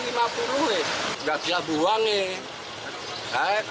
nggak bisa buang ya